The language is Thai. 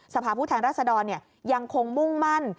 สภาพภูมิแทนรัศดรยังคงมุ่งมั่น